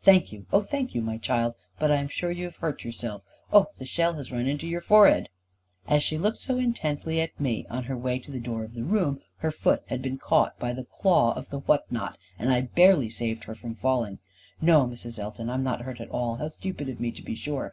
Thank you, oh thank you, my child. But I am sure you have hurt yourself. Oh, the shell has run into your forehead." As she looked so intently at me, on her way to the door of the room, her foot had been caught by the claw of the what not, and I barely saved her from falling. "No, Mrs. Elton, I am not hurt at all. How stupid of me, to be sure.